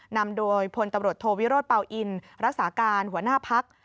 นำโดยพลตำรวจโทวิโรธเปล่าอินรักษาการหัวหน้าพัก